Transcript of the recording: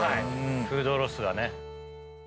フードロスがね。